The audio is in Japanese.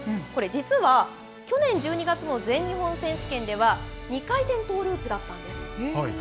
これ、実は去年１２月の全日本選手権では、２回転トーループだったんです。